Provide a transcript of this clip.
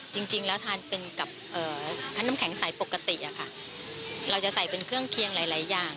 จริงแล้วทานเป็นกับทั้งน้ำแข็งใสปกติอะค่ะเราจะใส่เป็นเครื่องเคียงหลายอย่าง